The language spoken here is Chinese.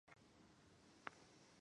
九龙小学推行国际文凭课程。